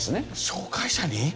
紹介者に？